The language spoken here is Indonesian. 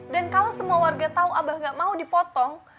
dan kalau semua warga tau abah gak mau dipotong